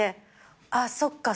あっそっか。